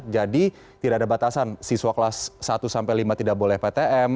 tidak ada batasan siswa kelas satu sampai lima tidak boleh ptm